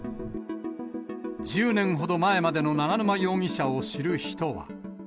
１０年ほど前までの永沼容疑者を知る人は。